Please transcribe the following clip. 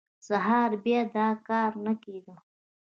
سهار بیا دا کار نه کېده.